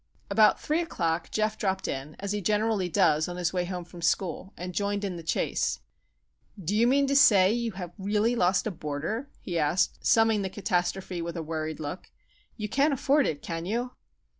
About three o'clock Geof dropped in, as he generally does on his way home from school, and joined in the chase. "Do you mean to say you have really lost a Boarder?" he asked, summing the catastrophe with a worried look. "You can't afford it, can you?"